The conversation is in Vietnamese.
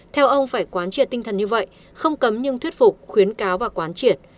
theo ông phải quán triệt tinh thần như vậy không cấm nhưng thuyết phục khuyến cáo và quán triệt